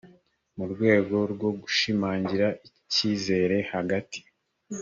mu rwego rwo gushimangira icyizere hagati